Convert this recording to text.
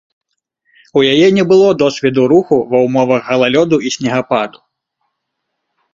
У яе не было досведу руху ва ўмовах галалёду і снегападу.